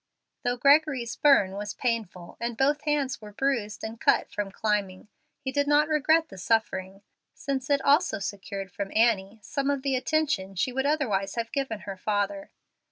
Though Gregory's burn was painful, and both hands were bruised and cut from climbing, he did not regret the suffering, since it also secured from Annie some of the attention she would otherwise have given her father.